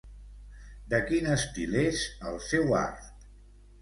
De quin estil és el seu art?